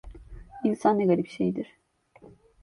İnsan ne garip şeydir!